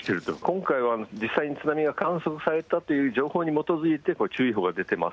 今回は実際に津波が観測されたという情報に基づいて注意報が出ています。